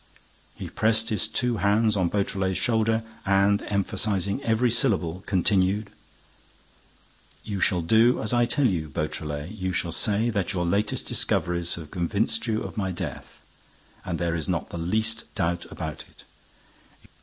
He pressed his two hands on Beautrelet's shoulder and, emphasizing every syllable, continued: "You shall do as I tell you, Beautrelet. You shall say that your latest discoveries have convinced you of my death, that there is not the least doubt about it.